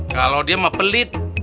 kalau dia mah pelit